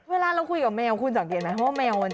เวลาเราคุยกับแมวคุณสังเกียรติไหม